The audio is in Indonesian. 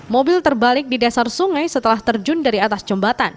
mobil terbalik di dasar sungai setelah terjun dari atas jembatan